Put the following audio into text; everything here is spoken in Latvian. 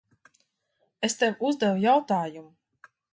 Es tev uzdevu jautājumu.